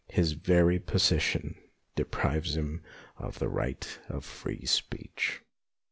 His very position deprives him of the right of free speech.